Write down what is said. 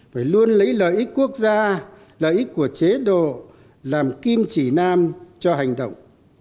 phải luôn lấy lợi ích quốc gia lợi ích của chế độ làm kim chỉ nam cho hành động